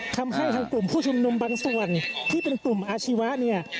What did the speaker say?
ทำให้ทางกลุ่มผู้ชุมนุมบางส่วนที่เป็นกลุ่มอาชีวะเนี่ย